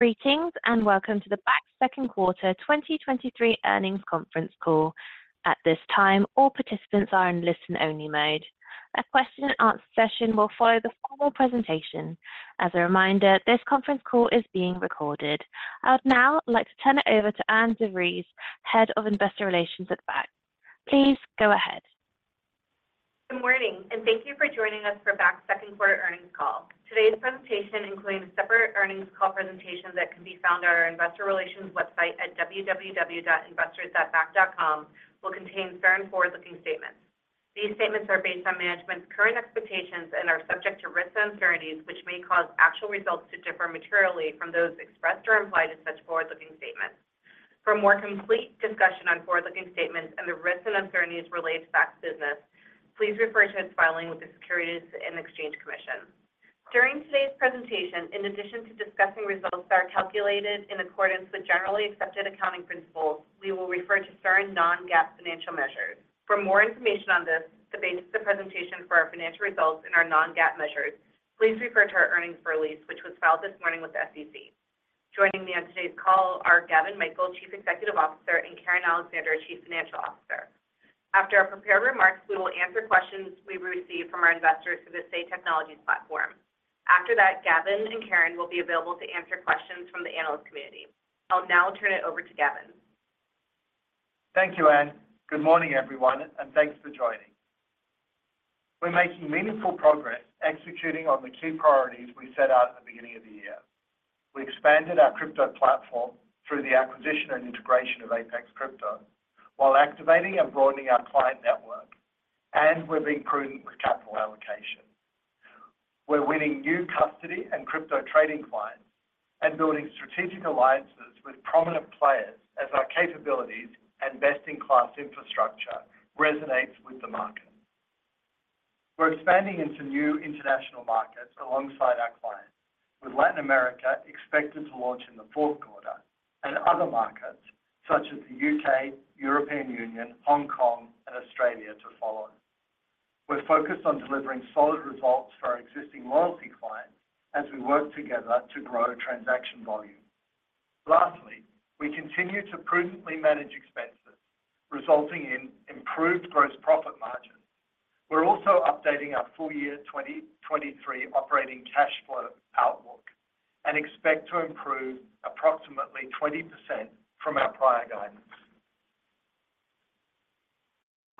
Greetings and welcome to the Bakkt second quarter 2023 earnings conference call. At this time, all participants are in listen-only mode. A question-and-answer session will follow the formal presentation. As a reminder, this conference call is being recorded. I would now like to turn it over to Ann De Vries, Head of Investor Relations at Bakkt. Please go ahead. Good morning. Thank you for joining us for Bakkt's second quarter earnings call. Today's presentation, including a separate earnings call presentation that can be found on our Investor Relations website at www.investors.bakkt.com, will contain fair and forward-looking statements. These statements are based on management's current expectations and are subject to risks and uncertainties, which may cause actual results to differ materially from those expressed or implied in such forward-looking statements. For a more complete discussion on forward-looking statements and the risks and uncertainties related to Bakkt's business, please refer to its filing with the Securities and Exchange Commission. During today's presentation, in addition to discussing results that are calculated in accordance with generally accepted accounting principles, we will refer to certain non-GAAP financial measures. For more information on this, the basis of the presentation for our financial results and our non-GAAP measures, please refer to our earnings release, which was filed this morning with the SEC. Joining me on today's call are Gavin Michael, Chief Executive Officer, and Karen Alexander, Chief Financial Officer. After our prepared remarks, we will answer questions we receive from our investors through the SAY Technologies platform. After that, Gavin and Karen will be available to answer questions from the analyst community. I'll now turn it over to Gavin. Thank you, Ann. Good morning, everyone, and thanks for joining. We're making meaningful progress executing on the key priorities we set out at the beginning of the year. We expanded our crypto platform through the acquisition and integration of Apex Crypto while activating and broadening our client network, and we're being prudent with capital allocation. We're winning new custody and crypto trading clients and building strategic alliances with prominent players as our capabilities and best-in-class infrastructure resonate with the market. We're expanding into new international markets alongside our clients, with Latin America expected to launch in the fourth quarter and other markets such as the U.K., European Union, Hong Kong, and Australia to follow. We're focused on delivering solid results for our existing loyalty clients as we work together to grow transaction volume. Lastly, we continue to prudently manage expenses, resulting in improved gross profit margins. We're also updating our full-year 2023 operating cash flow outlook and expect to improve approximately 20% from our prior guidance.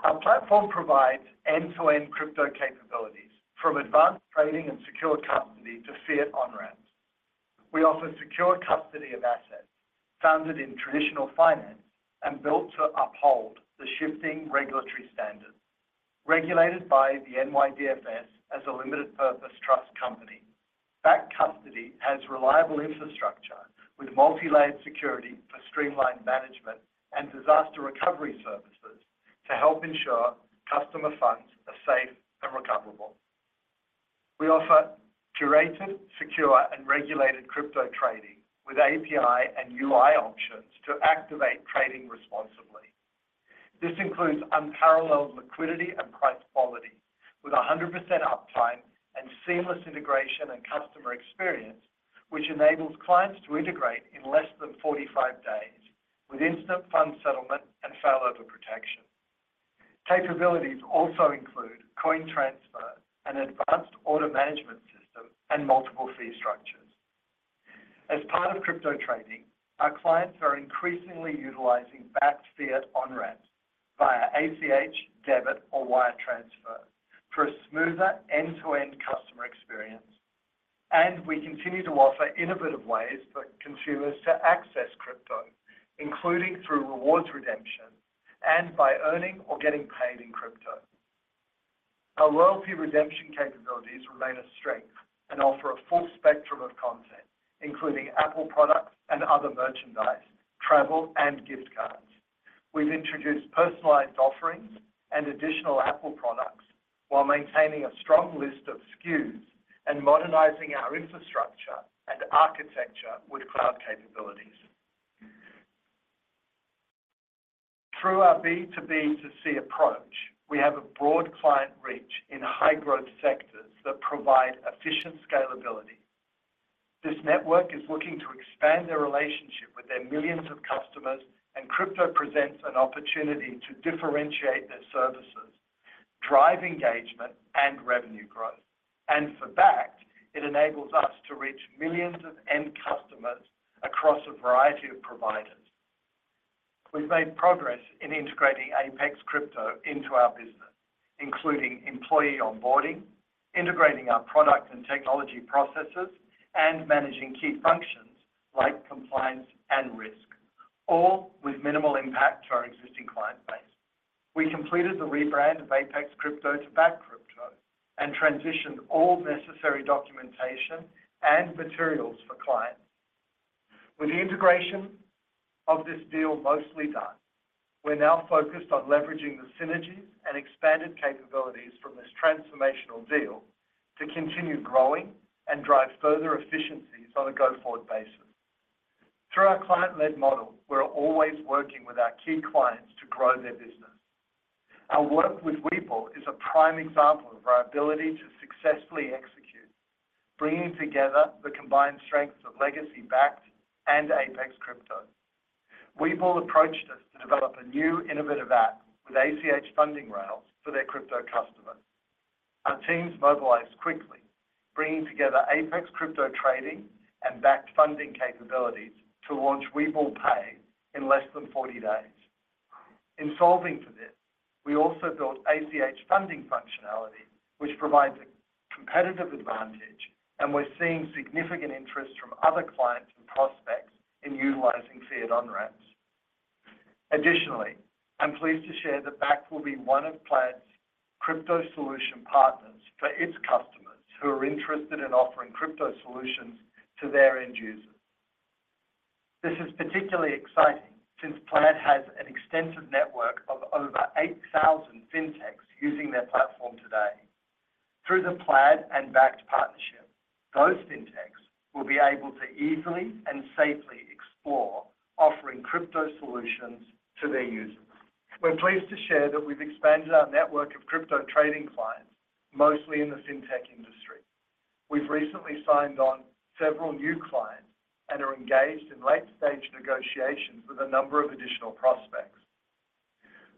Our platform provides end-to-end crypto capabilities, from advanced trading and secure custody to fiat on-ramps. We offer secure custody of assets founded in traditional finance and built to uphold the shifting regulatory standards. Regulated by the NYDFS as a limited-purpose trust company, Bakkt Custody has reliable infrastructure with multi-layered security for streamlined management and disaster recovery services to help ensure customer funds are safe and recoverable. We offer curated, secure, and regulated crypto trading with API and UI options to activate trading responsibly. This includes unparalleled liquidity and price quality with 100% uptime and seamless integration and customer experience, which enables clients to integrate in less than 45 days with instant fund settlement and failover protection. Capabilities also include coin transfer, an advanced order management system, and multiple fee structures. As part of crypto trading, our clients are increasingly utilizing Bakkt's fiat on-ramps via ACH, debit, or wire transfer for a smoother end-to-end customer experience. We continue to offer innovative ways for consumers to access crypto, including through rewards redemption and by earning or getting paid in crypto. Our loyalty redemption capabilities remain a strength and offer a full spectrum of content, including Apple products and other merchandise, travel, and gift cards. We've introduced personalized offerings and additional Apple products while maintaining a strong list of SKUs and modernizing our infrastructure and architecture with cloud capabilities. Through our B2B2C approach, we have a broad client reach in high-growth sectors that provide efficient scalability. This network is looking to expand their relationship with their millions of customers, and crypto presents an opportunity to differentiate their services, drive engagement, and revenue growth. For Bakkt, it enables us to reach millions of end customers across a variety of providers. We've made progress in integrating Apex Crypto into our business, including employee onboarding, integrating our product and technology processes, and managing key functions like compliance and risk, all with minimal impact to our existing client base. We completed the rebrand of Apex Crypto to Bakkt Crypto and transitioned all necessary documentation and materials for clients. With the integration of this deal mostly done, we're now focused on leveraging the synergies and expanded capabilities from this transformational deal to continue growing and drive further efficiencies on a go-forward basis. Through our client-led model, we're always working with our key clients to grow their business. Our work with Webull is a prime example of our ability to successfully execute, bringing together the combined strengths of legacy Bakkt and Apex Crypto. Webull approached us to develop a new innovative app with ACH funding rails for their crypto customers. Our teams mobilized quickly, bringing together Apex Crypto trading and Bakkt funding capabilities to launch Webull Pay in less than 40 days. In solving for this, we also built ACH funding functionality, which provides a competitive advantage, and we're seeing significant interest from other clients and prospects in utilizing fiat on-ramps. Additionally, I'm pleased to share that Bakkt will be one of Plaid's crypto solution partners for its customers who are interested in offering crypto solutions to their end users. This is particularly exciting since Plaid has an extensive network of over 8,000 fintechs using their platform today. Through the Plaid and Bakkt partnership, those fintechs will be able to easily and safely explore, offering crypto solutions to their users. We're pleased to share that we've expanded our network of crypto trading clients, mostly in the fintech industry. We've recently signed on several new clients and are engaged in late-stage negotiations with a number of additional prospects.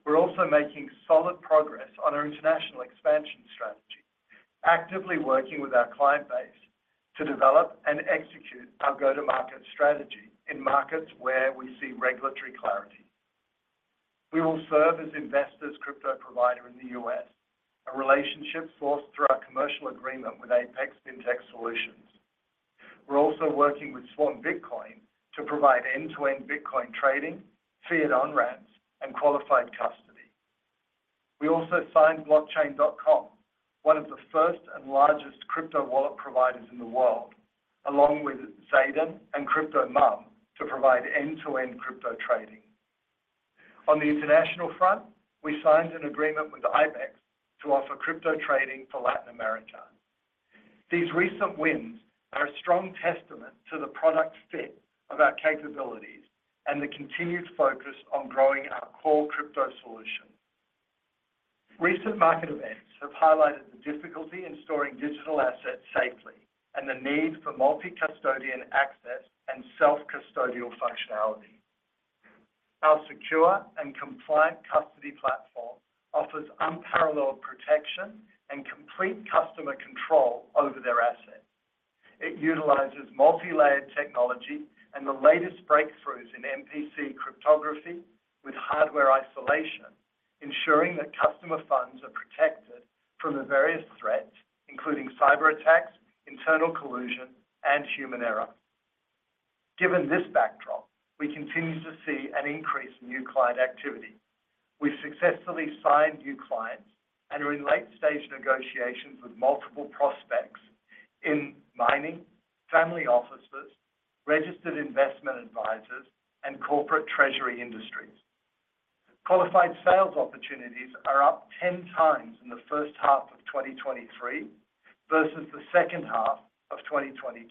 We're also making solid progress on our international expansion strategy, actively working with our client base to develop and execute our go-to-market strategy in markets where we see regulatory clarity. We will serve as investors' crypto provider in the U.S., a relationship forged through our commercial agreement with Apex Fintech Solutions. We're also working with Swan Bitcoin to provide end-to-end Bitcoin trading, fiat on-ramps, and qualified custody. We also signed Blockchain.com, one of the first and largest crypto wallet providers in the world, along with Zaden and CryptoMom to provide end-to-end crypto trading. On the international front, we signed an agreement with IBEX to offer crypto trading for Latin America. These recent wins are a strong testament to the product fit of our capabilities and the continued focus on growing our core crypto solution. Recent market events have highlighted the difficulty in storing digital assets safely and the need for multi-custodian access and self-custodial functionality. Our secure and compliant custody platform offers unparalleled protection and complete customer control over their assets. It utilizes multi-layered technology and the latest breakthroughs in MPC cryptography with hardware isolation, ensuring that customer funds are protected from the various threats, including cyberattacks, internal collusion, and human error. Given this backdrop, we continue to see an increase in new client activity. We've successfully signed new clients and are in late-stage negotiations with multiple prospects in mining, family offices, registered investment advisors, and corporate treasury industries. Qualified sales opportunities are up 10x in the first half of 2023 versus the second half of 2022.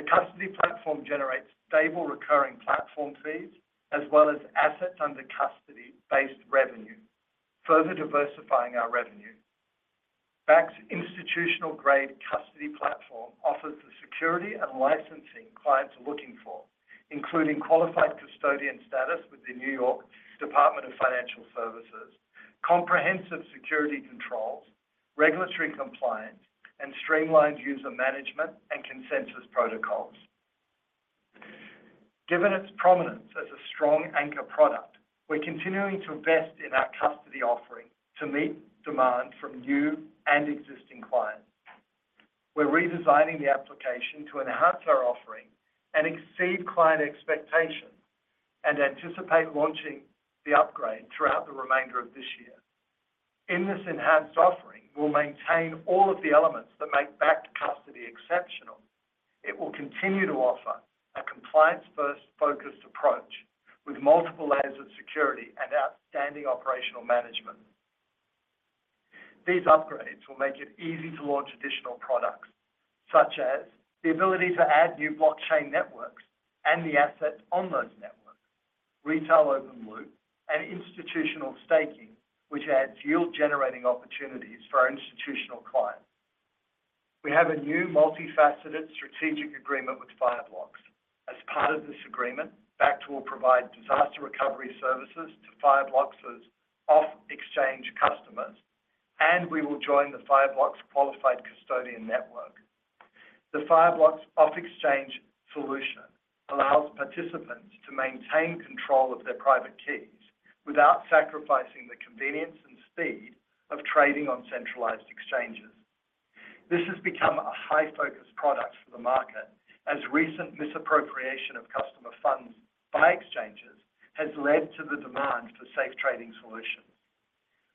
The custody platform generates stable recurring platform fees as well as assets-under-custody-based revenue, further diversifying our revenue. Bakkt's institutional-grade custody platform offers the security and licensing clients are looking for, including qualified custodian status with the New York State Department of Financial Services, comprehensive security controls, regulatory compliance, and streamlined user management and consensus protocols. Given its prominence as a strong anchor product, we're continuing to invest in our custody offering to meet demand from new and existing clients. We're redesigning the application to enhance our offering and exceed client expectations and anticipate launching the upgrade throughout the remainder of this year. In this enhanced offering, we'll maintain all of the elements that make Bakkt Custody exceptional. It will continue to offer a compliance-first focused approach with multiple layers of security and outstanding operational management. These upgrades will make it easy to launch additional products, such as the ability to add new blockchain networks and the assets on those networks, retail open-loop, and institutional staking, which adds yield-generating opportunities for our institutional clients. We have a new multifaceted strategic agreement with Fireblocks. As part of this agreement, Bakkt will provide disaster recovery services to Fireblocks' Off Exchange customers, and we will join the Fireblocks Qualified Custodian Network. The Fireblocks Off Exchange Solution allows participants to maintain control of their private keys without sacrificing the convenience and speed of trading on centralized exchanges. This has become a high-focus product for the market, as recent misappropriation of customer funds by exchanges has led to the demand for safe trading solutions.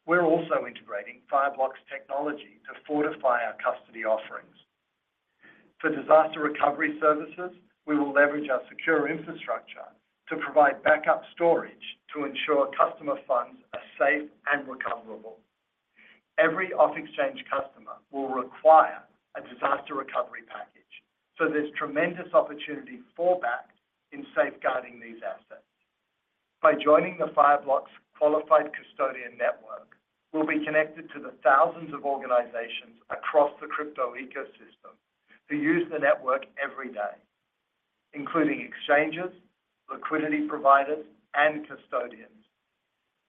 We're also integrating Fireblocks technology to fortify our custody offerings. For disaster recovery services, we will leverage our secure infrastructure to provide backup storage to ensure customer funds are safe and recoverable. Every off-exchange customer will require a disaster recovery package. There's tremendous opportunity for Bakkt in safeguarding these assets. By joining the Fireblocks Qualified Custodian Network, we'll be connected to the thousands of organizations across the crypto ecosystem who use the network every day, including exchanges, liquidity providers, and custodians.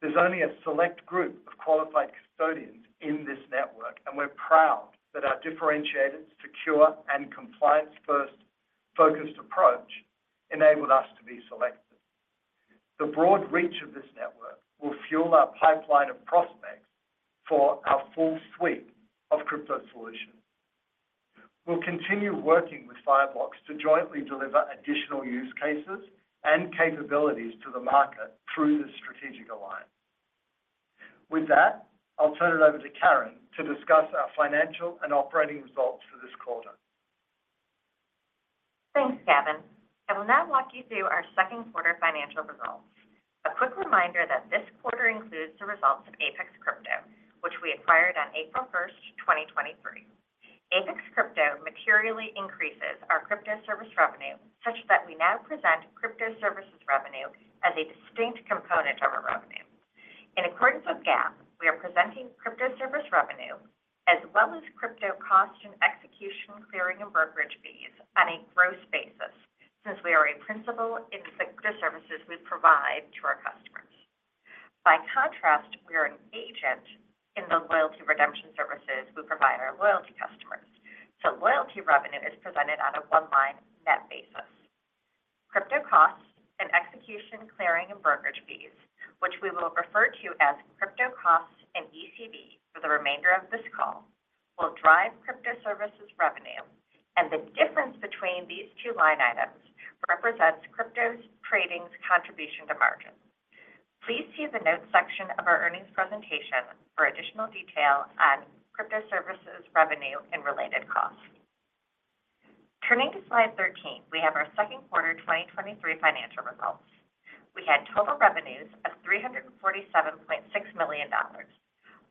There's only a select group of qualified custodians in this network, and we're proud that our differentiated, secure, and compliance-first focused approach enabled us to be selected. The broad reach of this network will fuel our pipeline of prospects for our full suite of crypto solutions. We'll continue working with Fireblocks to jointly deliver additional use cases and capabilities to the market through this strategic alignment. With that, I'll turn it over to Karen to discuss our financial and operating results for this quarter. Thanks, Gavin. I will now walk you through our second quarter financial results. A quick reminder that this quarter includes the results of Apex Crypto, which we acquired on April 1st, 2023. Apex Crypto materially increases our crypto service revenue such that we now present crypto services revenue as a distinct component of our revenue. In accordance with GAAP, we are presenting crypto service revenue as well as crypto cost and execution clearing and brokerage fees on a gross basis since we are a principal in the crypto services we provide to our customers. By contrast, we are an agent in the loyalty redemption services we provide our loyalty customers, so loyalty revenue is presented on a one-line net basis. Crypto costs and execution clearing and brokerage fees, which we will refer to as crypto costs and ECV for the remainder of this call, will drive crypto services revenue. The difference between these two line items represents crypto's trading's contribution to margins. Please see the notes section of our earnings presentation for additional detail on crypto services revenue and related costs. Turning to slide 13, we have our second quarter 2023 financial results. We had total revenues of $347.6 million,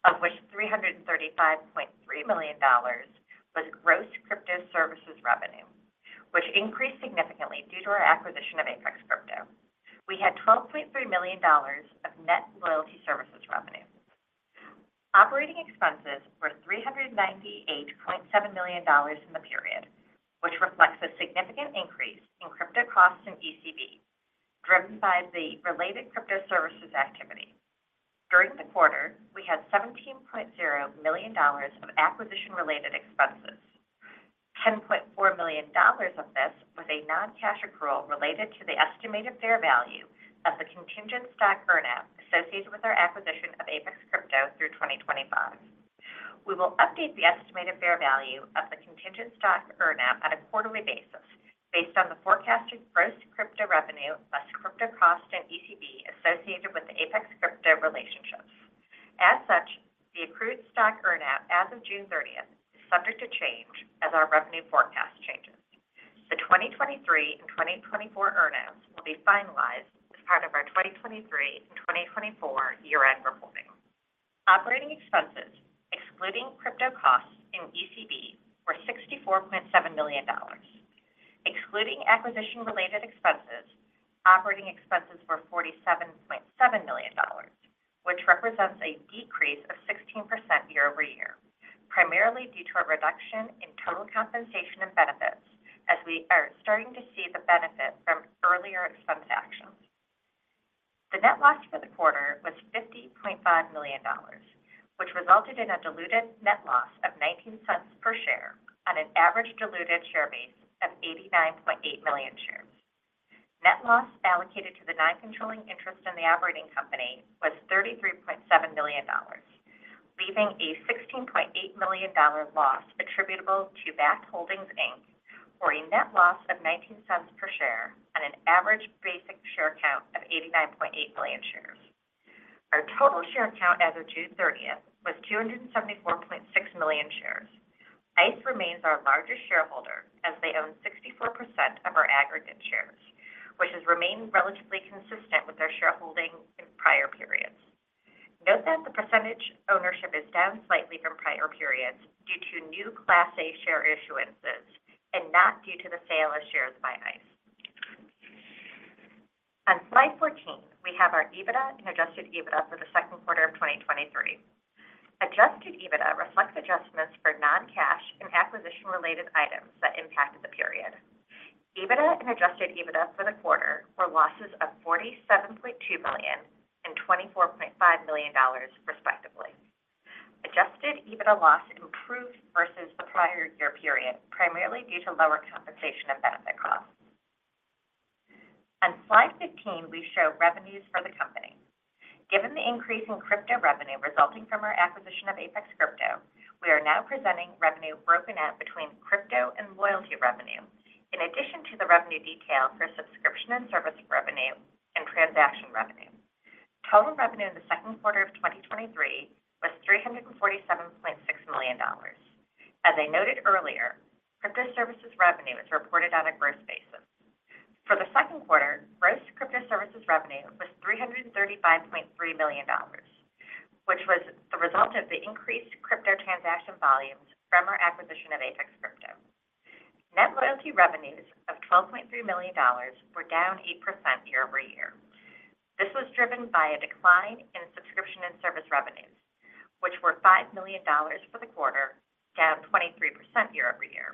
of which $335.3 million was gross crypto services revenue, which increased significantly due to our acquisition of Apex Crypto. We had $12.3 million of net loyalty services revenue. Operating expenses were $398.7 million in the period, which reflects a significant increase in crypto costs and ECV driven by the related crypto services activity. During the quarter, we had $17.0 million of acquisition-related expenses. $10.4 million of this was a non-cash accrual related to the estimated fair value of the contingent stock earn-up associated with our acquisition of Apex Crypto through 2025. We will update the estimated fair value of the contingent stock earn-up on a quarterly basis based on the forecasted gross crypto revenue plus crypto cost and ECV associated with the Apex Crypto relationships. As such, the accrued stock earn-up as of June 30th is subject to change as our revenue forecast changes. The 2023 and 2024 earn-ups will be finalized as part of our 2023 and 2024 year-end reporting. Operating expenses, excluding crypto costs and ECV, were $64.7 million. Excluding acquisition-related expenses, operating expenses were $47.7 million, which represents a decrease of 16% year-over-year, primarily due to a reduction in total compensation and benefits as we are starting to see the benefit from earlier expense actions. The net loss for the quarter was $50.5 million, which resulted in a diluted net loss of $0.19 per share on an average diluted share base of 89.8 million shares. Net loss allocated to the non-controlling interest in the operating company was $33.7 million, leaving a $16.8 million loss attributable to Bakkt Holdings, Inc., for a net loss of $0.19 per share on an average basic share count of 89.8 million shares. Our total share count as of June 30th was 274.6 million shares. ICE remains our largest shareholder as they own 64% of our aggregate shares, which has remained relatively consistent with their shareholding in prior periods. Note that the percentage ownership is down slightly from prior periods due to new Class A share issuances and not due to the sale of shares by ICE. On slide 14, we have our EBITDA and adjusted EBITDA for the second quarter of 2023. Adjusted EBITDA reflects adjustments for non-cash and acquisition-related items that impacted the period. EBITDA and adjusted EBITDA for the quarter were losses of $47.2 million and $24.5 million, respectively. Adjusted EBITDA loss improved versus the prior year period, primarily due to lower compensation and benefit costs. On slide 15, we show revenues for the company. Given the increase in crypto revenue resulting from our acquisition of Apex Crypto, we are now presenting revenue broken out between crypto and loyalty revenue, in addition to the revenue detail for subscription and service revenue and transaction revenue. Total revenue in the second quarter of 2023 was $347.6 million. As I noted earlier, crypto services revenue is reported on a gross basis. For the second quarter, gross crypto services revenue was $335.3 million, which was the result of the increased crypto transaction volumes from our acquisition of Apex Crypto. Net loyalty revenues of $12.3 million were down 8% year-over-year. This was driven by a decline in subscription and service revenues, which were $5 million for the quarter, down 23% year-over-year.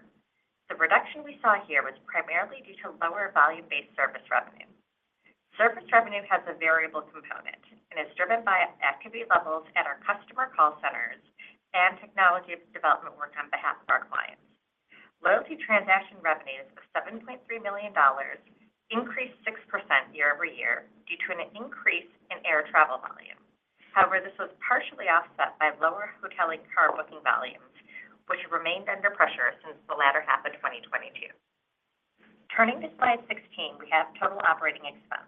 The reduction we saw here was primarily due to lower volume-based service revenue. Service revenue has a variable component and is driven by activity levels at our customer call centers and technology development work on behalf of our clients. Loyalty transaction revenues of $7.3 million increased 6% year-over-year due to an increase in air travel volume. This was partially offset by lower hotel and car booking volumes, which remained under pressure since the latter half of 2022. Turning to slide 16, we have total operating expense.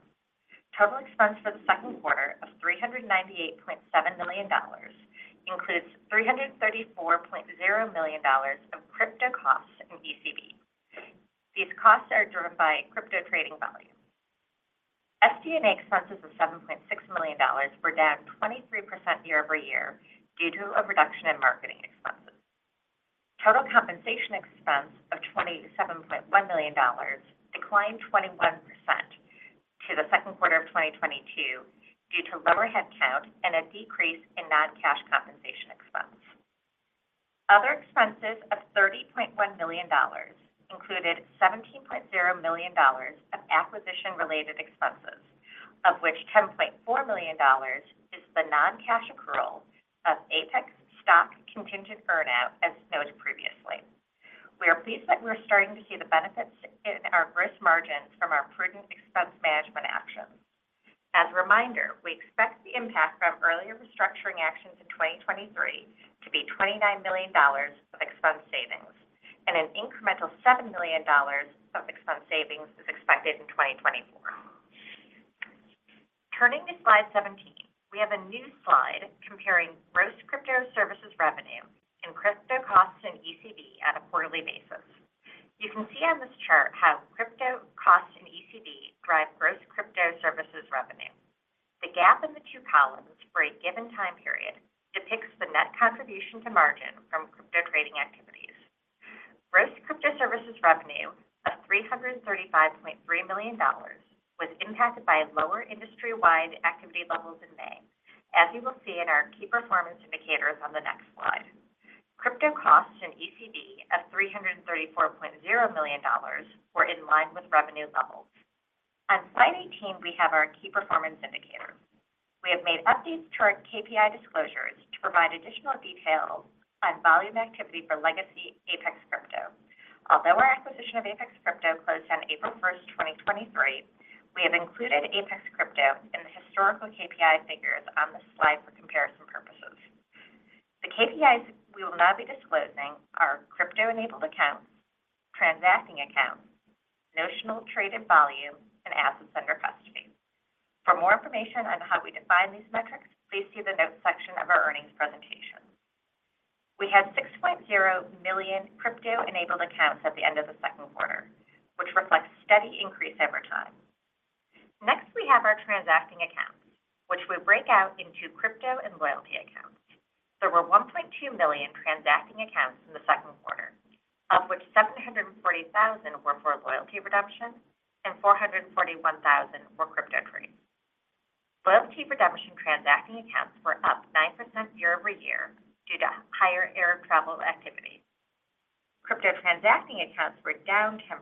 Total expense for the second quarter of $398.7 million includes $334.0 million of crypto costs and ECV. These costs are driven by crypto trading volume. SG&A expenses of $7.6 million were down 23% year-over-year due to a reduction in marketing expenses. Total compensation expense of $27.1 million declined 21% to the second quarter of 2022 due to lower headcount and a decrease in non-cash compensation expense. Other expenses of $30.1 million included $17.0 million of acquisition-related expenses, of which $10.4 million is the non-cash accrual of Apex stock contingent earn-out, as noted previously. We are pleased that we're starting to see the benefits in our gross margins from our prudent expense management actions. As a reminder, we expect the impact from earlier restructuring actions in 2023 to be $29 million of expense savings, and an incremental $7 million of expense savings is expected in 2024. Turning to slide 17, we have a new slide comparing gross crypto services revenue and crypto costs and ECV on a quarterly basis. You can see on this chart how crypto costs and ECV drive gross crypto services revenue. The gap in the two columns for a given time period depicts the net contribution to margin from crypto trading activities. Gross crypto services revenue of $335.3 million was impacted by lower industry-wide activity levels in May, as you will see in our key performance indicators on the next slide. Crypto costs and ECV of $334.0 million were in line with revenue levels. On slide 18, we have our key performance indicators. We have made updates to our KPI disclosures to provide additional detail on volume activity for legacy Apex Crypto. Although our acquisition of Apex Crypto closed on April 1st, 2023, we have included Apex Crypto in the historical KPI figures on this slide for comparison purposes. The KPIs we will not be disclosing are crypto-enabled accounts, transacting accounts, notional traded volume, and assets under custody. For more information on how we define these metrics, please see the notes section of our earnings presentation. We had 6.0 million crypto-enabled accounts at the end of the second quarter, which reflects steady increase over time. Next, we have our transacting accounts, which we break out into crypto and loyalty accounts. There were 1.2 million transacting accounts in the second quarter, of which 740,000 were for loyalty redemption and 441,000 were crypto trades. Loyalty redemption transacting accounts were up 9% year-over-year due to higher air travel activity. Crypto transacting accounts were down 10%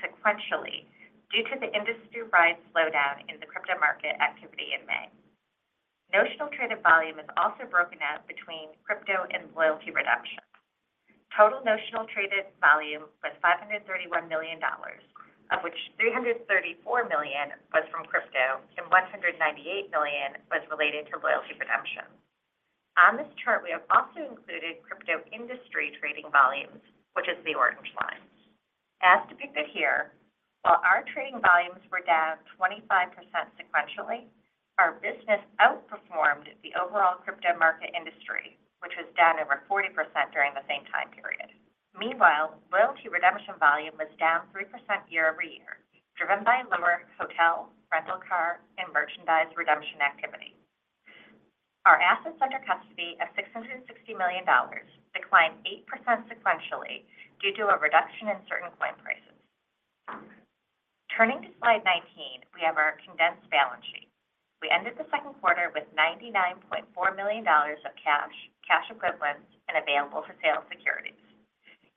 sequentially due to the industry-wide slowdown in the crypto market activity in May. Notional traded volume is also broken out between crypto and loyalty redemption. Total notional traded volume was $531 million, of which $334 million was from crypto and $198 million was related to loyalty redemption. On this chart, we have also included crypto industry trading volumes, which is the orange line. As depicted here, while our trading volumes were down 25% sequentially, our business outperformed the overall crypto market industry, which was down over 40% during the same time period. Meanwhile, loyalty redemption volume was down 3% year-over-year, driven by lower hotel, rental car, and merchandise redemption activity. Our assets under custody of $660 million declined 8% sequentially due to a reduction in certain coin prices. Turning to slide 19, we have our condensed balance sheet. We ended the second quarter with $99.4 million of cash, cash equivalents, and available-for-sale securities.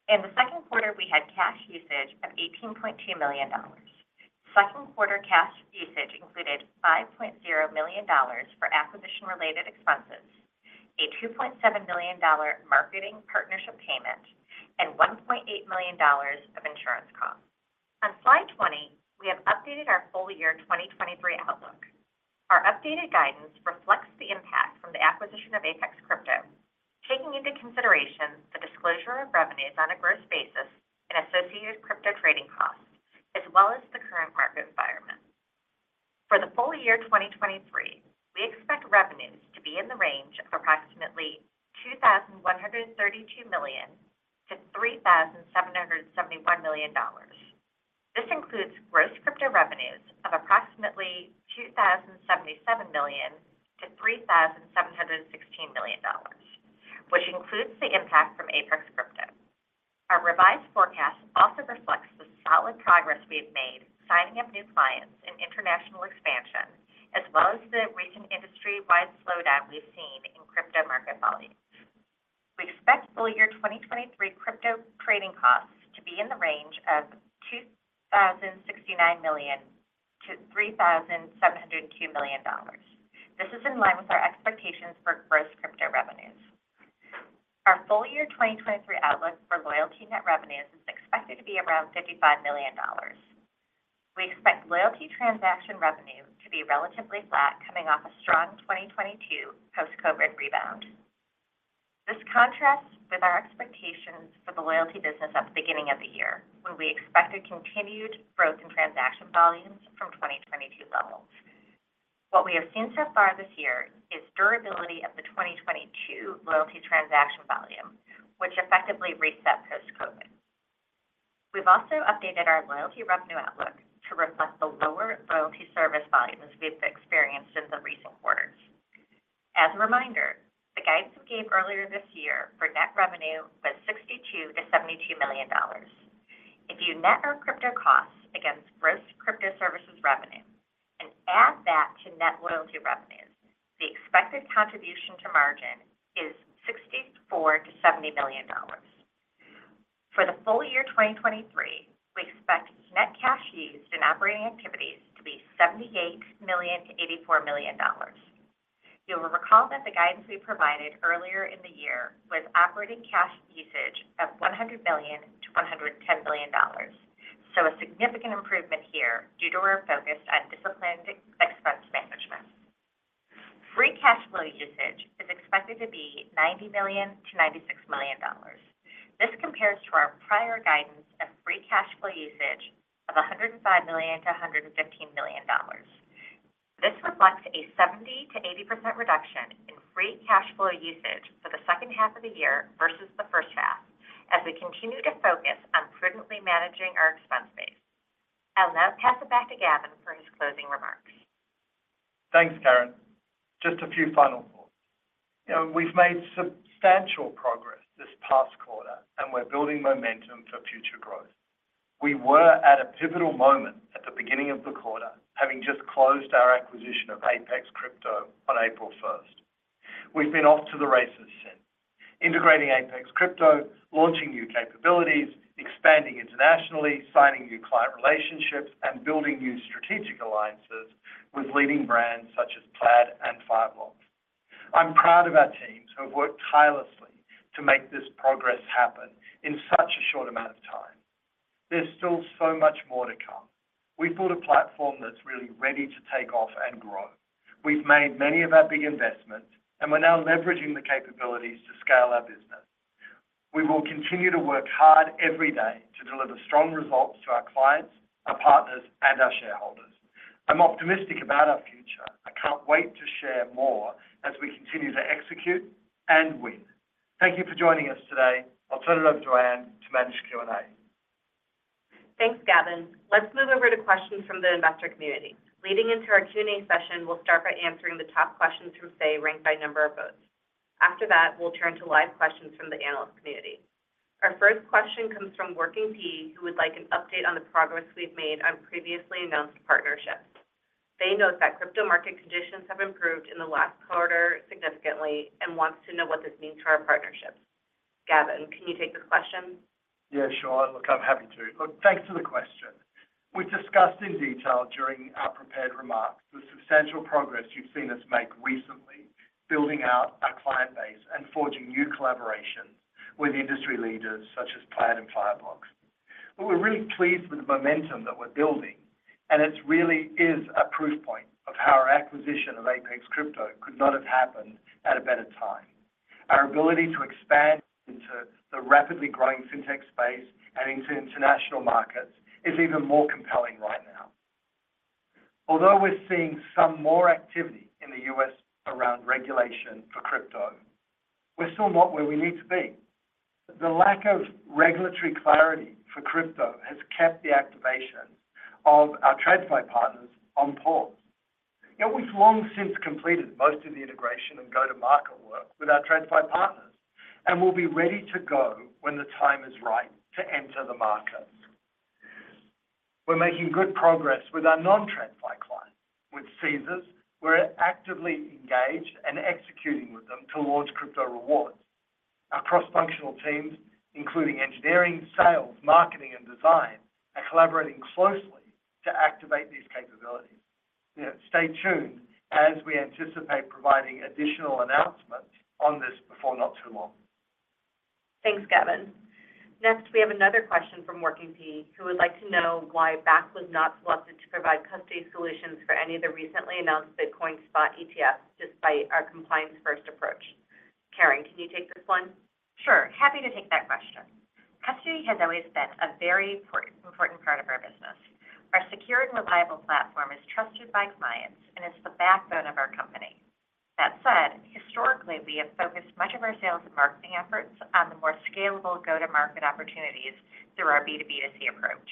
In the second quarter, we had cash usage of $18.2 million. Second quarter cash usage included $5.0 million for acquisition-related expenses, a $2.7 million marketing partnership payment, and $1.8 million of insurance costs. On slide 20, we have updated our full year 2023 outlook. Our updated guidance reflects the impact from the acquisition of Apex Crypto, taking into consideration the disclosure of revenues on a gross basis and associated crypto trading costs, as well as the current market environment. For the full year 2023, we expect revenues to be in the range of approximately $2,132 million-$3,771 million. This includes gross crypto revenues of approximately $2,077 million-$3,716 million, which includes the impact from Apex Crypto. Our revised forecast also reflects the solid progress we have made signing up new clients and international expansion, as well as the recent industry-wide slowdown we've seen in crypto market volumes. We expect full year 2023 crypto trading costs to be in the range of $2,069 million-$3,702 million. This is in line with our expectations for gross crypto revenues. Our full year 2023 outlook for loyalty net revenues is expected to be around $55 million. We expect loyalty transaction revenue to be relatively flat coming off a strong 2022 post-COVID rebound. This contrasts with our expectations for the loyalty business at the beginning of the year, when we expected continued growth in transaction volumes from 2022 levels. What we have seen so far this year is durability of the 2022 loyalty transaction volume, which effectively reset post-COVID. We've also updated our loyalty revenue outlook to reflect the lower loyalty service volumes we've experienced in the recent quarters. As a reminder, the guidance we gave earlier this year for net revenue was $62 million-$72 million. If you net our crypto costs against gross crypto services revenue and add that to net loyalty revenues, the expected contribution to margin is $64 million-$70 million. For the full year 2023, we expect net cash used in operating activities to be $78 million-$84 million. You will recall that the guidance we provided earlier in the year was operating cash usage of $100 million-$110 million, so a significant improvement here due to our focus on disciplined expense management. Free cash flow usage is expected to be $90 million-$96 million. This compares to our prior guidance of free cash flow usage of $105 million-$115 million. This reflects a 70%-80% reduction in free cash flow usage for the second half of the year versus the first half, as we continue to focus on prudently managing our expense base. I'll now pass it back to Gavin for his closing remarks. Thanks, Karen. Just a few final thoughts. We've made substantial progress this past quarter, and we're building momentum for future growth. We were at a pivotal moment at the beginning of the quarter, having just closed our acquisition of Apex Crypto on April 1st. We've been off to the races since, integrating Apex Crypto, launching new capabilities, expanding internationally, signing new client relationships, and building new strategic alliances with leading brands such as Plaid and Fireblocks. I'm proud of our teams who have worked tirelessly to make this progress happen in such a short amount of time. There's still so much more to come. We've built a platform that's really ready to take off and grow. We've made many of our big investments, and we're now leveraging the capabilities to scale our business. We will continue to work hard every day to deliver strong results to our clients, our partners, and our shareholders. I'm optimistic about our future. I can't wait to share more as we continue to execute and win. Thank you for joining us today. I'll turn it over to Ann to manage Q&A. Thanks, Gavin. Let's move over to questions from the investor community. Leading into our Q&A session, we'll start by answering the top questions from Say ranked by number of votes. After that, we'll turn to live questions from the analyst community. Our first question comes from WorkingPea, who would like an update on the progress we've made on previously announced partnerships. They note that crypto market conditions have improved in the last quarter significantly and want to know what this means for our partnerships. Gavin, can you take this question? Yeah, sure. Look, I'm happy to. Look, thanks for the question. We discussed in detail during our prepared remarks the substantial progress you've seen us make recently building out our client base and forging new collaborations with industry leaders such as Plaid and Fireblocks. We're really pleased with the momentum that we're building, and it really is a proof point of how our acquisition of Apex Crypto could not have happened at a better time. Our ability to expand into the rapidly growing fintech space and into international markets is even more compelling right now. Although we're seeing some more activity in the U.S. around regulation for crypto, we're still not where we need to be. The lack of regulatory clarity for crypto has kept the activation of our TradFi partners on pause. We've long since completed most of the integration and go-to-market work with our TradFi partners, and we'll be ready to go when the time is right to enter the markets. We're making good progress with our non-TradFi clients. With Caesars, we're actively engaged and executing with them to launch crypto rewards. Our cross-functional teams, including engineering, sales, marketing, and design, are collaborating closely to activate these capabilities. Stay tuned as we anticipate providing additional announcements on this before not too long. Thanks, Gavin. Next, we have another question from WorkingPea, who would like to know why Bakkt was not selected to provide custody solutions for any of the recently announced Bitcoin spot ETFs despite our compliance-first approach. Karen, can you take this one? Sure. Happy to take that question. Custody has always been a very important part of our business. Our secure and reliable platform is trusted by clients and is the backbone of our company. That said, historically, we have focused much of our sales and marketing efforts on the more scalable go-to-market opportunities through our B2B2C approach.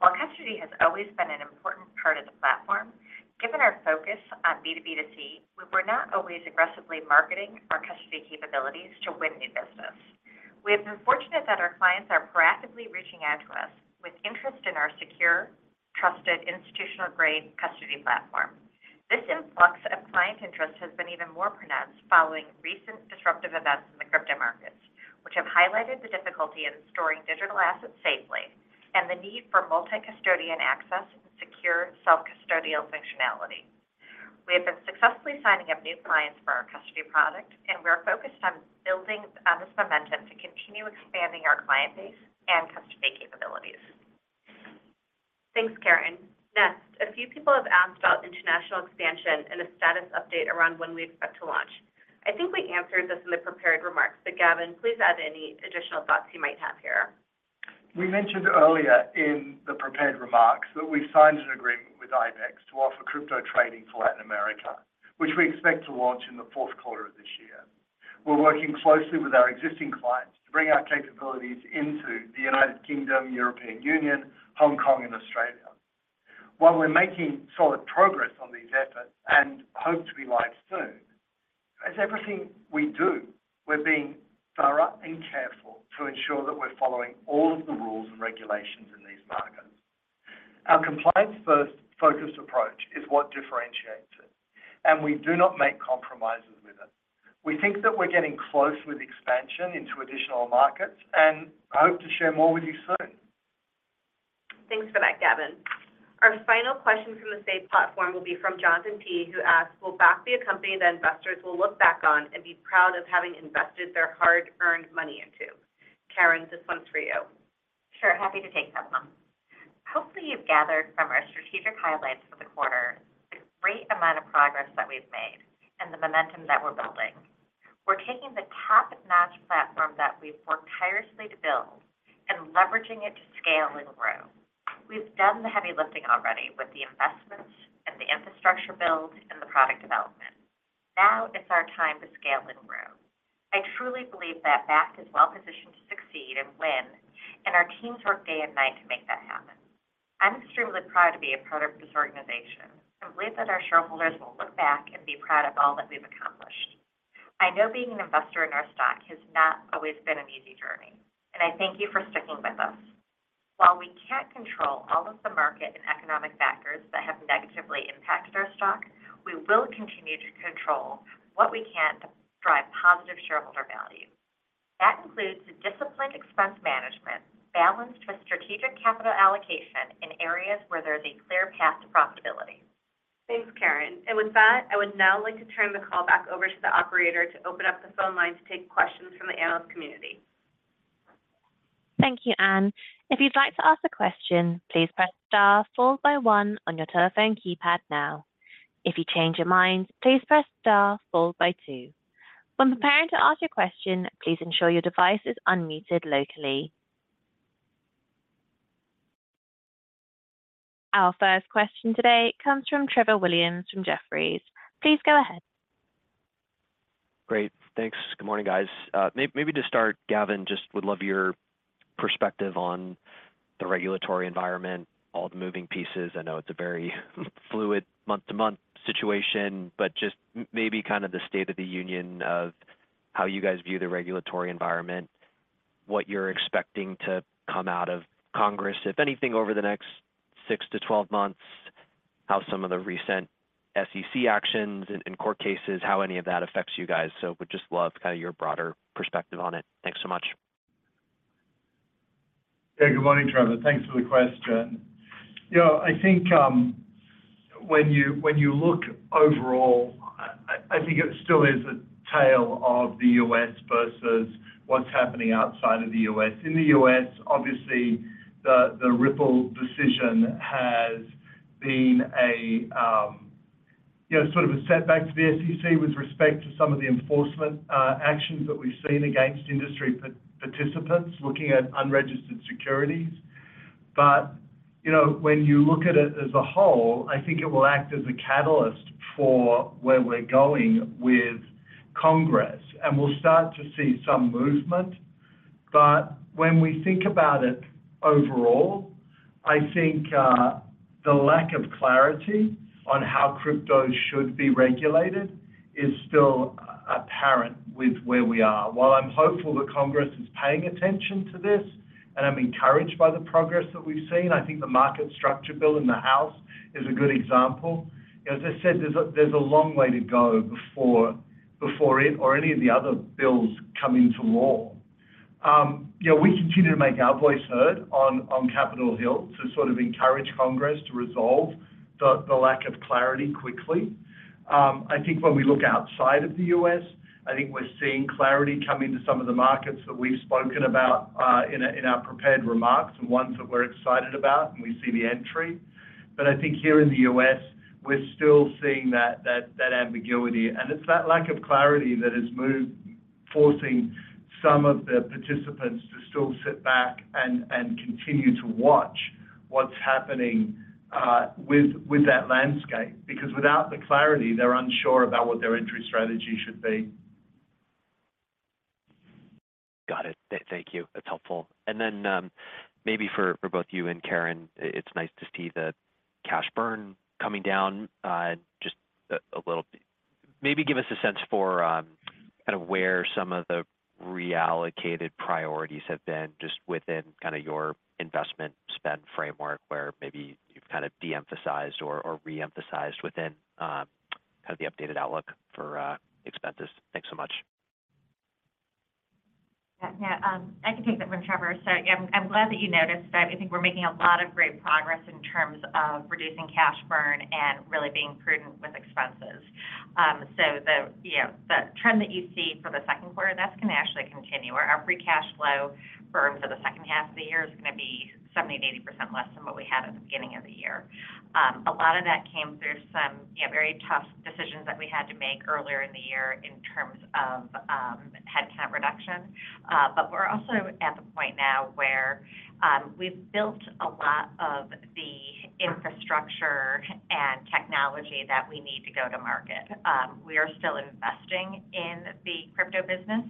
While custody has always been an important part of the platform, given our focus on B2B2C, we were not always aggressively marketing our custody capabilities to win new business. We have been fortunate that our clients are proactively reaching out to us with interest in our secure, trusted, institutional-grade custody platform. This influx of client interest has been even more pronounced following recent disruptive events in the crypto markets, which have highlighted the difficulty in storing digital assets safely and the need for multi-custodian access and secure self-custodial functionality. We have been successfully signing up new clients for our custody product, and we're focused on building on this momentum to continue expanding our client base and custody capabilities. Thanks, Karen. A few people have asked about international expansion and a status update around when we expect to launch. I think we answered this in the prepared remarks, but Gavin, please add any additional thoughts you might have here. We mentioned earlier in the prepared remarks that we've signed an agreement with IBEX to offer crypto trading for Latin America, which we expect to launch in the fourth quarter of this year. We're working closely with our existing clients to bring our capabilities into the United Kingdom, European Union, Hong Kong, and Australia. While we're making solid progress on these efforts and hope to be live soon, as everything we do, we're being thorough and careful to ensure that we're following all of the rules and regulations in these markets. Our compliance-first focused approach is what differentiates it, and we do not make compromises with it. We think that we're getting close with expansion into additional markets and hope to share more with you soon. Thanks for that, Gavin. Our final question from the SAY platform will be from Jonathan Pea, who asks, "Will Bakkt be a company that investors will look back on and be proud of having invested their hard-earned money into?" Karen, this one's for you. Sure. Happy to take that one. Hopefully, you've gathered from our strategic highlights for the quarter the great amount of progress that we've made and the momentum that we're building. We're taking the Bakkt platform that we've worked tirelessly to build and leveraging it to scale and grow. We've done the heavy lifting already with the investments and the infrastructure build and the product development. Now it's our time to scale and grow. I truly believe that Bakkt is well-positioned to succeed and win, and our teams work day and night to make that happen. I'm extremely proud to be a part of this organization and believe that our shareholders will look back and be proud of all that we've accomplished. I know being an investor in our stock has not always been an easy journey, and I thank you for sticking with us. While we can't control all of the market and economic factors that have negatively impacted our stock, we will continue to control what we can to drive positive shareholder value. That includes disciplined expense management, balanced with strategic capital allocation in areas where there's a clear path to profitability. Thanks, Karen. With that, I would now like to turn the call back over to the operator to open up the phone line to take questions from the analyst community. Thank you, Ann. If you'd like to ask a question, please press star followed by one on your telephone keypad now. If you change your mind, please press star followed by two. When preparing to ask your question, please ensure your device is unmuted locally. Our first question today comes from Trevor Williams from Jefferies. Please go ahead. Great. Thanks. Good morning, guys. Maybe to start, Gavin, just would love your perspective on the regulatory environment, all the moving pieces. I know it's a very fluid month-to-month situation, but just maybe kind of the state of the union of how you guys view the regulatory environment, what you're expecting to come out of Congress, if anything, over the next six to 12 months, how some of the recent SEC actions and court cases, how any of that affects you guys. Would just love kind of your broader perspective on it. Thanks so much. Yeah, good morning, Trevor. Thanks for the question. I think when you look overall, I think it still is a tale of the U.S. versus what's happening outside of the U.S. In the U.S., obviously, the Ripple decision has been sort of a setback to the SEC with respect to some of the enforcement actions that we've seen against industry participants looking at unregistered securities. When you look at it as a whole, I think it will act as a catalyst for where we're going with Congress, and we'll start to see some movement. When we think about it overall, I think the lack of clarity on how crypto should be regulated is still apparent with where we are. While I'm hopeful that Congress is paying attention to this, and I'm encouraged by the progress that we've seen, I think the market structure bill in the House is a good example. As I said, there's a long way to go before it or any of the other bills come into law. We continue to make our voice heard on Capitol Hill to sort of encourage Congress to resolve the lack of clarity quickly. I think when we look outside of the U.S., I think we're seeing clarity come into some of the markets that we've spoken about in our prepared remarks and ones that we're excited about, and we see the entry. I think here in the U.S., we're still seeing that ambiguity. It's that lack of clarity that is forcing some of the participants to still sit back and continue to watch what's happening with that landscape because without the clarity, they're unsure about what their entry strategy should be. Got it. Thank you. That's helpful. Then maybe for both you and Karen, it's nice to see the cash burn coming down just a little. Maybe give us a sense for kind of where some of the reallocated priorities have been just within kind of your investment spend framework where maybe you've kind of de-emphasized or re-emphasized within kind of the updated outlook for expenses. Thanks so much. Yeah. Yeah. I can take that one, Trevor. Yeah, I'm glad that you noticed. I think we're making a lot of great progress in terms of reducing cash burn and really being prudent with expenses. The trend that you see for the second quarter, that's going to actually continue. Our free cash flow burn for the second half of the year is going to be 70%-80% less than what we had at the beginning of the year. A lot of that came through some very tough decisions that we had to make earlier in the year in terms of headcount reduction. We're also at the point now where we've built a lot of the infrastructure and technology that we need to go to market. We are still investing in the crypto business,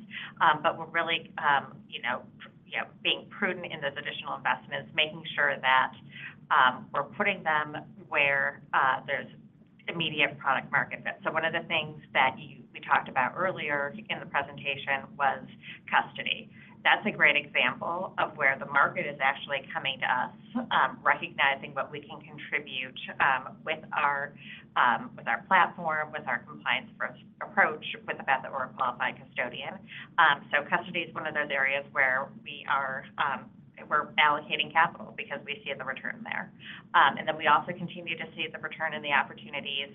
we're really being prudent in those additional investments, making sure that we're putting them where there's immediate product market fit. One of the things that we talked about earlier in the presentation was custody. That's a great example of where the market is actually coming to us, recognizing what we can contribute with our platform, with our compliance-first approach, with the fact that we're a qualified custodian. Custody is one of those areas where we're allocating capital because we see the return there. Then we also continue to see the return in the opportunities,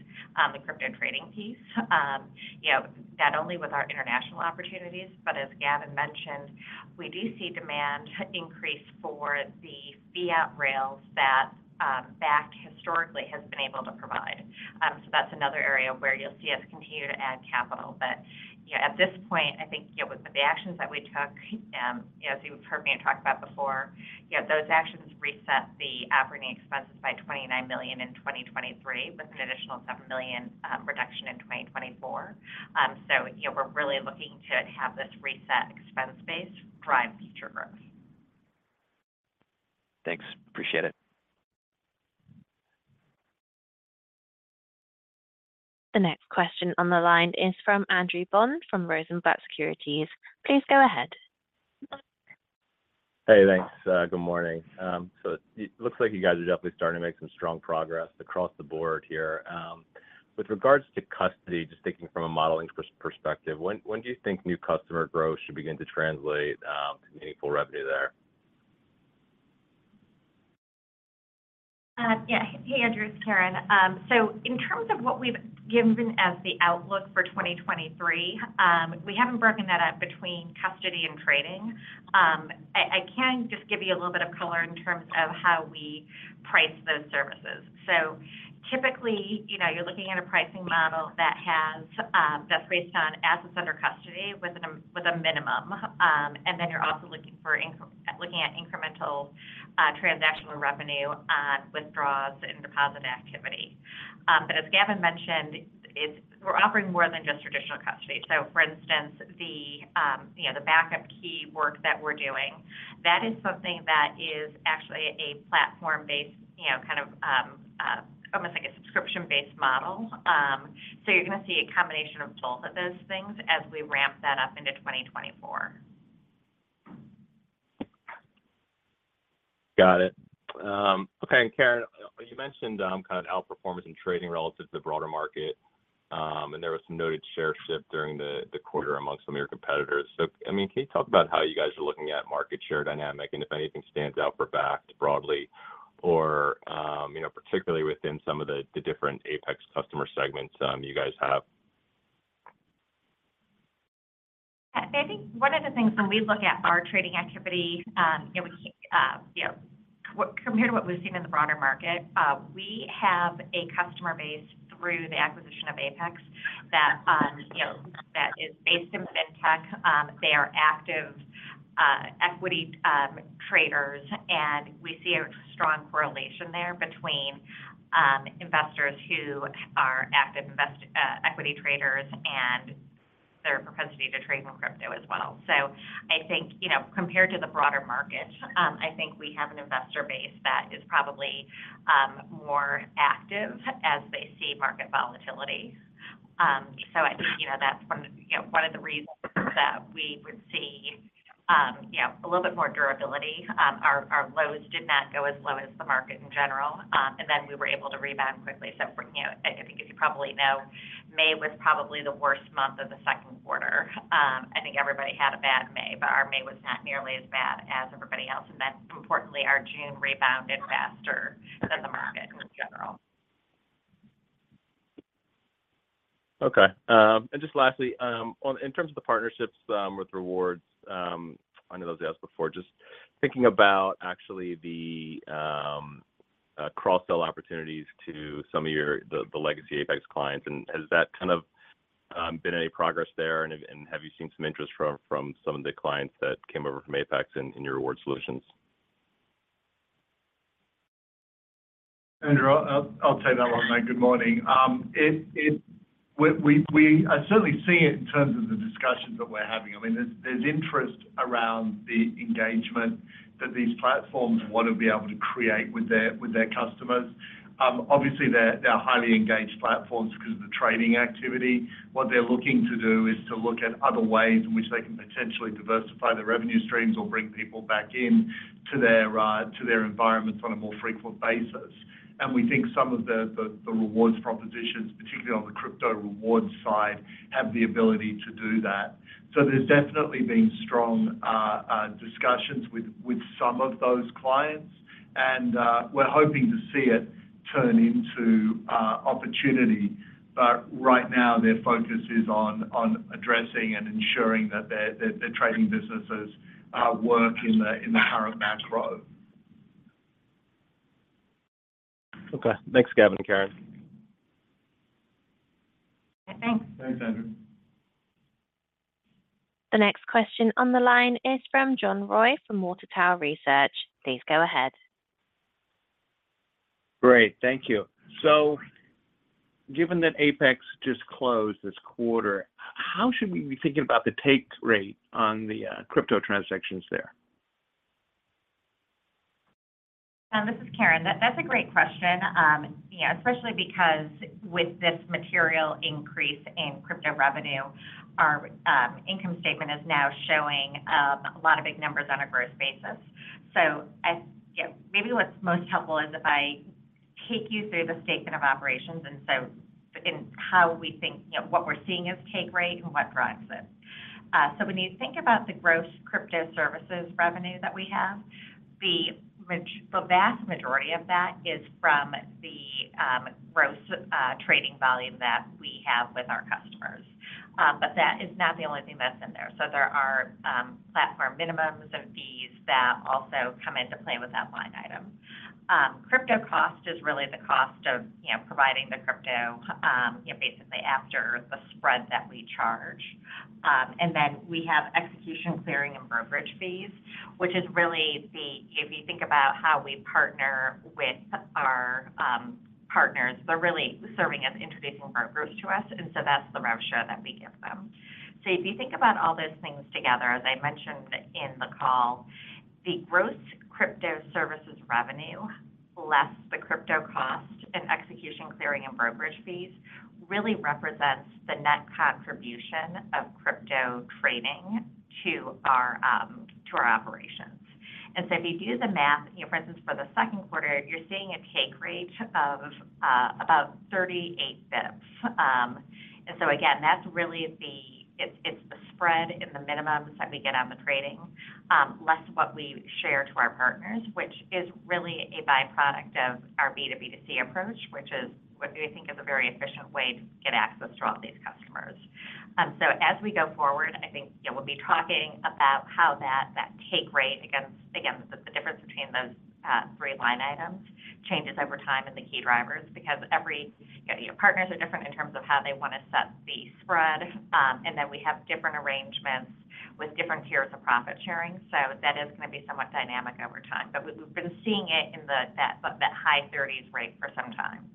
the crypto trading piece, not only with our international opportunities, but as Gavin mentioned, we do see demand increase for the fiat rails that Bakkt historically has been able to provide. That's another area where you'll see us continue to add capital. At this point, I think with the actions that we took, as you've heard me talk about before, those actions reset the operating expenses by $29 million in 2023 with an additional $7 million reduction in 2024. We're really looking to have this reset expense base drive future growth. Thanks. Appreciate it. The next question on the line is from Andrew Bond from Rosenblatt Securities. Please go ahead. Hey, thanks. Good morning. It looks like you guys are definitely starting to make some strong progress across the board here. With regards to custody, just thinking from a modeling perspective, when do you think new customer growth should begin to translate to meaningful revenue there? Yeah. Hey, Andrew, it's Karen. In terms of what we've given as the outlook for 2023, we haven't broken that up between custody and trading. I can just give you a little bit of color in terms of how we price those services. Typically, you're looking at a pricing model that's based on assets under custody with a minimum, and then you're also looking at incremental transactional revenue on withdrawals and deposit activity. As Gavin mentioned, we're offering more than just traditional custody. For instance, the backup key work that we're doing, that is something that is actually a platform-based kind of almost like a subscription-based model. You're going to see a combination of both of those things as we ramp that up into 2024. Got it. Okay. Karen, you mentioned kind of outperformance in trading relative to the broader market, and there was some noted share shift during the quarter amongst some of your competitors. I mean, can you talk about how you guys are looking at market share dynamic and if anything stands out for Bakkt broadly, or particularly within some of the different Apex customer segments you guys have? Yeah. I think one of the things when we look at our trading activity, compared to what we've seen in the broader market, we have a customer base through the acquisition of Apex that is based in fintech. They are active equity traders, and we see a strong correlation there between investors who are active equity traders and their propensity to trade in crypto as well. I think compared to the broader market, I think we have an investor base that is probably more active as they see market volatility. I think that's one of the reasons that we would see a little bit more durability. Our lows did not go as low as the market in general, and then we were able to rebound quickly. I think as you probably know, May was probably the worst month of the second quarter. I think everybody had a bad May, but our May was not nearly as bad as everybody else. Importantly, our June rebounded faster than the market in general. Okay. Just lastly, in terms of the partnerships with Rewards, I know those you asked before. Just thinking about actually the cross-sell opportunities to some of the legacy Apex clients, has that kind of been any progress there, and have you seen some interest from some of the clients that came over from Apex in your reward solutions? Andrew, I'll take that one, man. Good morning. I certainly see it in terms of the discussions that we're having. I mean, there's interest around the engagement that these platforms want to be able to create with their customers. Obviously, they're highly engaged platforms because of the trading activity. What they're looking to do is to look at other ways in which they can potentially diversify their revenue streams or bring people back into their environments on a more frequent basis. We think some of the rewards propositions, particularly on the crypto rewards side, have the ability to do that. There's definitely been strong discussions with some of those clients, and we're hoping to see it turn into opportunity. Right now, their focus is on addressing and ensuring that their trading businesses work in the current macro. Okay. Thanks, Gavin and Karen. Thanks. Thanks, Andrew. The next question on the line is from John Roy from Water Tower Research. Please go ahead. Great. Thank you. Given that Apex just closed this quarter, how should we be thinking about the take rate on the crypto transactions there? This is Karen. That's a great question, especially because with this material increase in crypto revenue, our income statement is now showing a lot of big numbers on a gross basis. Maybe what's most helpful is if I take you through the statement of operations and how we think what we're seeing as take rate and what drives it. When you think about the gross crypto services revenue that we have, the vast majority of that is from the gross trading volume that we have with our customers. That is not the only thing that's in there. There are platform minimums and fees that also come into play with that line item. Crypto cost is really the cost of providing the crypto, basically, after the spread that we charge. Then we have execution clearing and brokerage fees, which is really the if you think about how we partner with our partners, they're really serving as introducing brokers to us. So that's the revenue share that we give them. So if you think about all those things together, as I mentioned in the call, the gross crypto services revenue, less the crypto cost and execution clearing and brokerage fees, really represents the net contribution of crypto trading to our operations. So if you do the math, for instance, for the second quarter, you're seeing a take rate of about 38 bips. Again, that's really the it's the spread in the minimums that we get on the trading, less what we share to our partners, which is really a byproduct of our B2B2C approach, which is what we think is a very efficient way to get access to all these customers. As we go forward, I think we'll be talking about how that take rate, again, the difference between those three line items, changes over time in the key drivers because every partner's different in terms of how they want to set the spread. Then we have different arrangements with different tiers of profit sharing. That is going to be somewhat dynamic over time. We've been seeing it in that high 30s rate for some time.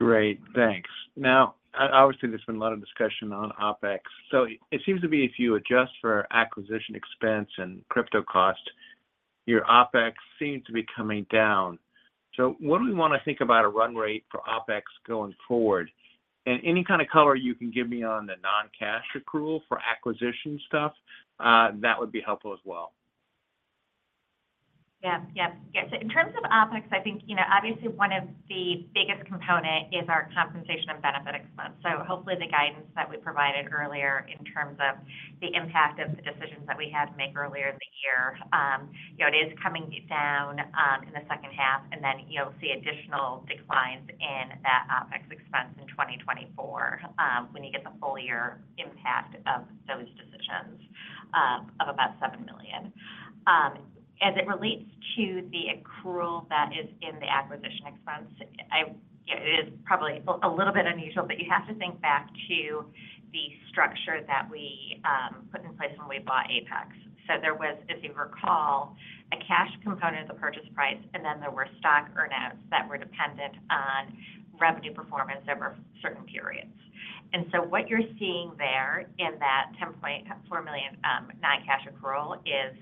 Great. Thanks. Now, obviously, there's been a lot of discussion on OpEx. It seems to be if you adjust for acquisition expense and crypto cost, your OpEx seems to be coming down. What do we want to think about a run rate for OpEx going forward? Any kind of color you can give me on the non-cash accrual for acquisition stuff, that would be helpful as well. Yep. Yep. Yeah. In terms of OpEx, I think obviously, one of the biggest components is our compensation and benefit expense. Hopefully, the guidance that we provided earlier in terms of the impact of the decisions that we had to make earlier in the year, it is coming down in the second half, and then you'll see additional declines in that OpEx expense in 2024 when you get the full-year impact of those decisions of about $7 million. As it relates to the accrual that is in the acquisition expense, it is probably a little bit unusual, but you have to think back to the structure that we put in place when we bought Apex. There was, if you recall, a cash component of the purchase price, and then there were stock earnouts that were dependent on revenue performance over certain periods. What you're seeing there in that $10.4 million non-cash accrual is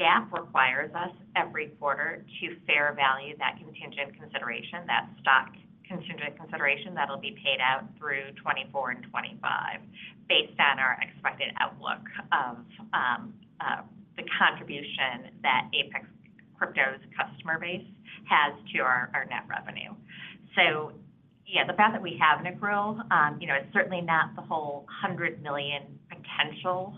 GAAP requires us every quarter to fair value that contingent consideration, that stock contingent consideration that'll be paid out through 2024 and 2025 based on our expected outlook of the contribution that Apex Crypto's customer base has to our net revenue. Yeah, the fact that we have an accrual, it's certainly not the whole $100 million potential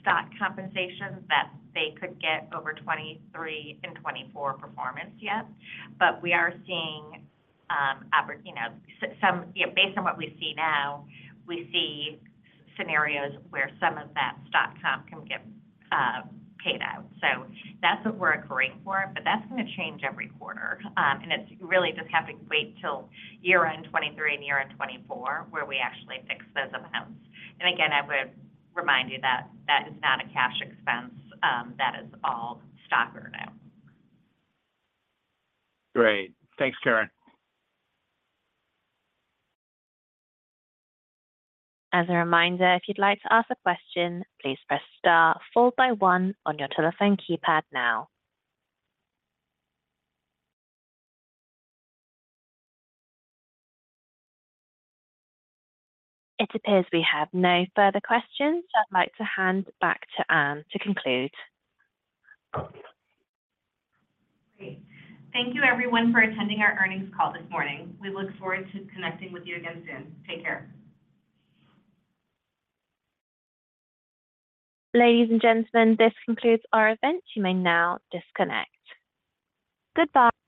stock compensation that they could get over 2023 and 2024 performance yet. We are seeing some based on what we see now, we see scenarios where some of that stock comp can get paid out. That's what we're accruing for, that's going to change every quarter. It's really just having to wait till year-end 2023 and year-end 2024 where we actually fix those amounts. Again, I would remind you that that is not a cash expense. That is all stock earn-out. Great. Thanks, Karen. As a reminder, if you'd like to ask a question, please press star followed by one on your telephone keypad now. It appears we have no further questions, I'd like to hand back to Ann to conclude. Great. Thank you, everyone, for attending our earnings call this morning. We look forward to connecting with you again soon. Take care. Ladies and gentlemen, this concludes our event. You may now disconnect. Goodbye.